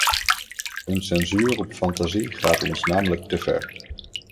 Een censuur op fantasie gaat ons namelijk te ver.